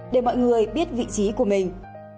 để mọi người biết vị trí của mình